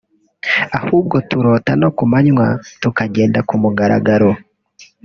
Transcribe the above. ahubwo turota no ku manywa tugenda ku mugaragaro